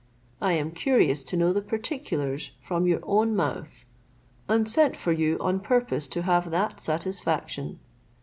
I am curious to know the particulars from your own mouth, and sent for you on purpose to have that satisfaction.